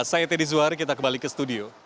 saya teddy zuhari kita kembali ke studio